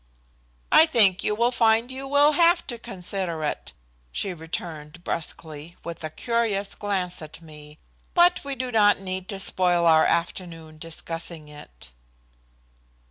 "I think you will find you will have to consider it," she returned brusquely, with a curious glance at me "But we do not need to spoil our afternoon discussing it."